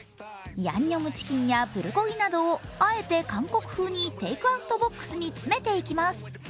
ヤンニョムチキンやプルコギなどを、あえて韓国風のテークアウトボックスに詰めていきます。